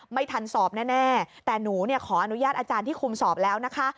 ไม่ทันสอบแน่แต่หนูขออนุญาตอาจารย์ที่คุมสอบแล้วนะคะ